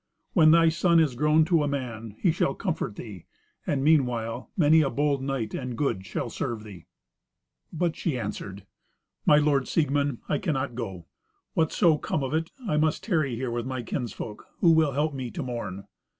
When thy son is grown to a man he shall comfort thee; and meanwhile many a bold knight and good shall serve thee." But she answered, "My lord Siegmund, I cannot go. Whatso come of it, I must tarry here with my kinsfolk, who will help me to mourn."